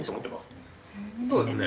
そうですね。